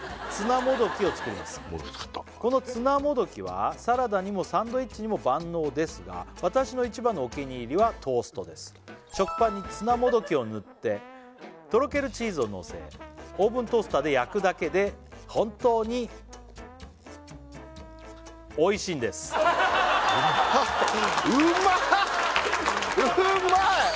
もどき作ったこのツナもどきはサラダにもサンドイッチにも万能ですが私の食パンにツナもどきを塗ってとろけるチーズをのせオーブントースターで焼くだけで本当においしいんですうまい！